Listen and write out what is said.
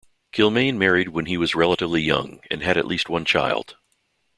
Kilmaine married when he was relatively young and had at least one child.